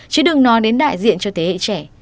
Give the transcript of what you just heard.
chứ đừng nói đến đại diện cho thế hệ trẻ